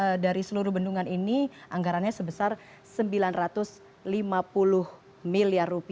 dan total dari seluruh bendungan ini anggarannya sebesar rp sembilan ratus lima puluh miliar